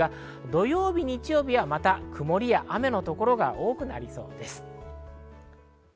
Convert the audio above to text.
土曜日、日曜日はまた曇りや雨の所が多くなりそうです。